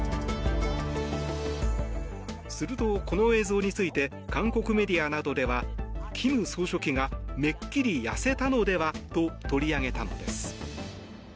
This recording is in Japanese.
すると、この映像について韓国メディアなどでは金総書記がめっきり痩せたのではと取り上げたのです。